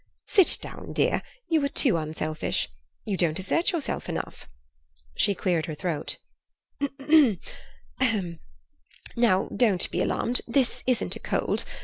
Sit down, dear; you are too unselfish; you don't assert yourself enough." She cleared her throat. "Now don't be alarmed; this isn't a cold.